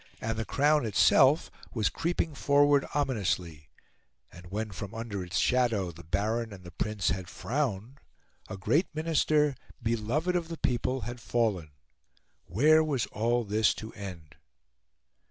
And the Crown itself was creeping forward ominously; and when, from under its shadow, the Baron and the Prince had frowned, a great Minister, beloved of the people, had fallen. Where was all this to end?